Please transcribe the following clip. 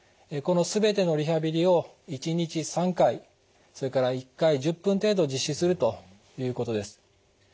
この全てのリハビリを１日３回それから１回１０分程度実施するということです。